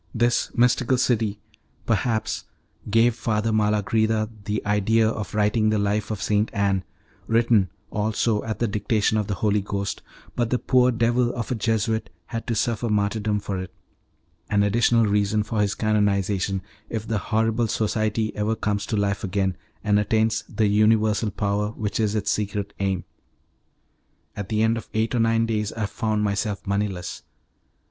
This "Mystical City," perhaps, gave Father Malagrida the idea of writing the life of St. Anne, written, also, at the dictation of the Holy Ghost, but the poor devil of a Jesuit had to suffer martyrdom for it an additional reason for his canonization, if the horrible society ever comes to life again, and attains the universal power which is its secret aim. At the end of eight or nine days I found myself moneyless.